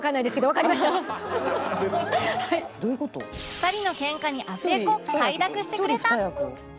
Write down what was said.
２人のケンカにアフレコ快諾してくれた！